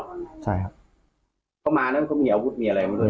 เขามาแล้วก็มีอาวุธมีอะไรก็เลย